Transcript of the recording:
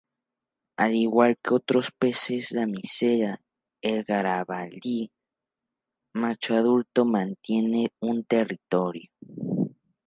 Al igual que otros peces damisela, el Garibaldi macho adulto mantiene un territorio.